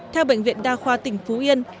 theo bệnh viện đa khoa tỉnh phú yên